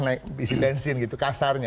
naik bisi bensin gitu kasarnya